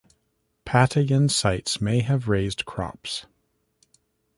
Patayan sites may have raised crops.